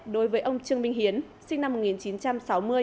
đối với ông trương minh hiến sinh năm một nghìn chín trăm sáu mươi